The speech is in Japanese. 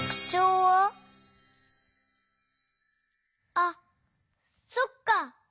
あっそっか！